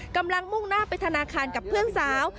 มุ่งหน้าไปธนาคารกับเพื่อนสาว